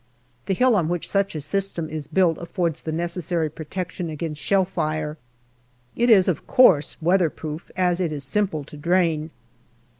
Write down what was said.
The hill on which such a system is built affords the necessary protection against shell fire. It is, of course, weather proof, as it is simple to drain.